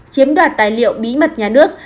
chiếm đoạt tài liệu bí mật nhà nước